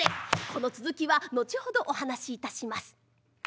この続きは後ほどお話いたします。